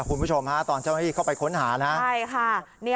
คุณผู้ชมฮะตอนเจ้าหน้าที่เข้าไปค้นหานะใช่ค่ะ